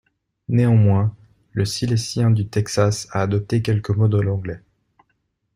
Néanmoins, le silésien du Texas a adopté quelques mots de l'anglais.